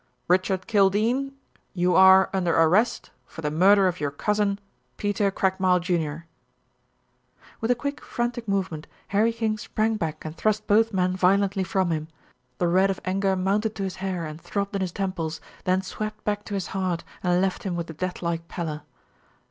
"Richard Kildene, you are under arrest for the murder of your cousin, Peter Craigmile, Jr." With a quick, frantic movement, Harry King sprang back and thrust both men violently from him. The red of anger mounted to his hair and throbbed in his temples, then swept back to his heart, and left him with a deathlike pallor.